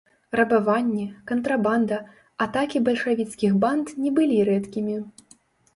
Рабаванні, кантрабанда, атакі бальшавіцкіх банд не былі рэдкімі.